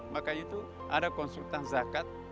makanya itu ada konsultan zakat